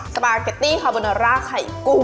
สปาเกตตี้คาโบนาร่าไข่กุ้ง